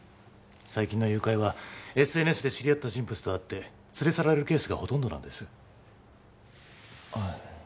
最近の誘拐はＳＮＳで知り合った人物と会って連れ去られるケースがほとんどなんですあ